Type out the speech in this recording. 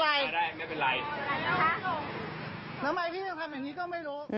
ทำไมพี่ทำอย่างนี้ก็ไม่รู้